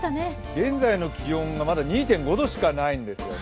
現在の気温がまだ２．５度しかないんですよね。